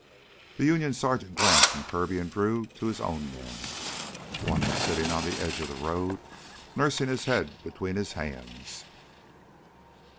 The Union sergeant glanced from Kirby and Drew to his own men. One was sitting on the edge of the road, nursing his head between his hands.